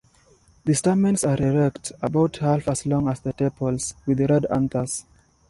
The stamens are erect, about half as long as the tepals, with red anthers.